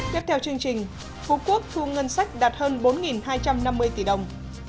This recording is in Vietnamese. tiếp theo chương trình phú quốc thu ngân sách đạt hơn bốn hai trăm năm mươi tỷ đồng